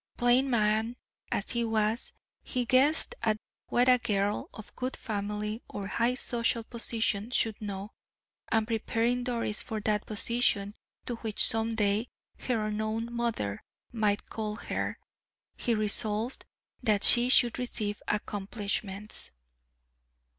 Plain man as he was, he guessed at what a girl of good family or high social position should know, and preparing Doris for that position to which some day her unknown mother might call her, he resolved that she should receive accomplishments.